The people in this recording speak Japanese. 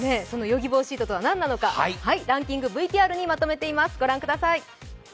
そのヨギボーシートとは何なのか、ランキング、ＶＴＲにまとめています。